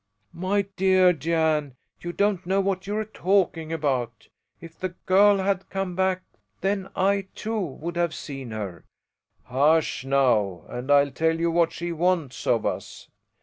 "My dear Jan, you don't know what you're talking about! If the girl had come back then I, too, would have seen her." "Hush now, and I'll tell you what she wants of us!"